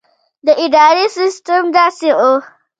د ادارې سسټم داسې وو.